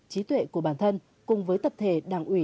trí tuệ của bản thân cùng với tập thể đảng ủy